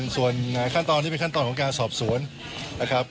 ส่วนขั้นตอนนี้เป็นขั้นตอนของการสอบสวนนะครับ